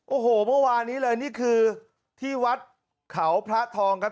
โอ้โหเมื่อวานนี้เลยนี่คือที่วัดเขาพระทองครับ